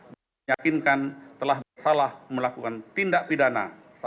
meyakinkan telah bersalah melakukan tindak pidana